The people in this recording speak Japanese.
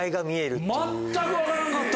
全く分からんかった。